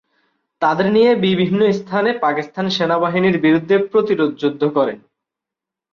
তাদের নিয়ে বিভিন্ন স্থানে পাকিস্তান সেনাবাহিনীর বিরুদ্ধে প্রতিরোধযুদ্ধ করেন।